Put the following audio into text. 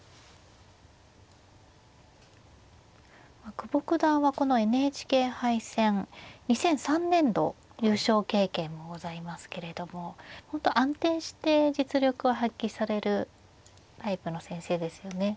久保九段はこのＮＨＫ杯戦２００３年度優勝経験もございますけれども本当安定して実力を発揮されるタイプの先生ですよね。